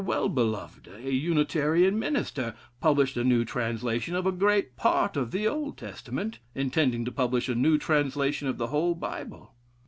Wellbeloved, a Unitarian minister, published a new translation of a great part of the Old testament, intending to publish a new translation of the whole Bible.